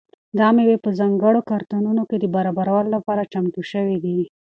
دا مېوې په ځانګړو کارتنونو کې د بارولو لپاره چمتو شوي دي.